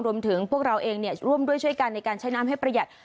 พวกเราเองร่วมด้วยช่วยกันในการใช้น้ำให้ประหยัด